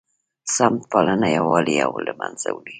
سمت پالنه یووالی له منځه وړي